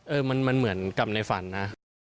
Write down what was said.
เออมันเหมือนกับในฝันนะ